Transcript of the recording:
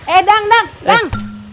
eh dang dang dang